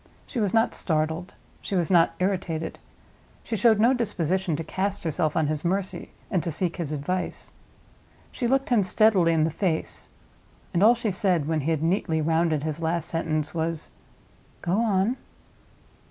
She was not startled; she was not irritated; she showed no disposition to cast herself on his mercy, and to seek his advice. She looked him steadily in the face; and all she said, when he had neatly rounded his last sentence, was—"Go on."